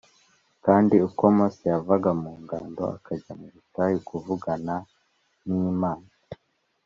Kandi uko Mose yavaga mu ngando akajya mubutayu kuvugana nimana